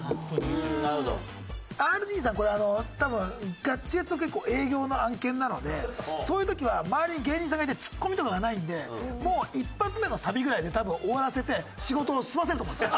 これあの多分ガッチガチの結構営業の案件なのでそういう時は周りに芸人さんがいてツッコミとかがないんでもう一発目のサビぐらいで多分終わらせて仕事を済ませると思うんです。